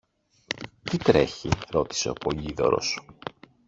Τι τρέχει; ρώτησε ο Πολύδωρος.